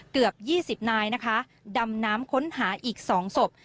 เกือบยี่สิบนายนะคะดำน้ำค้นหาอีกสองศพ